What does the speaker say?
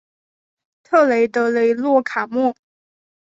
特雷德雷洛凯莫。